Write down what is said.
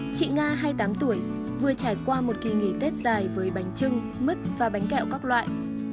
chị nga hai mươi tám tuổi vừa trải qua một kỳ nghỉ tết dài với bánh trưng mứt và bánh kẹo các loại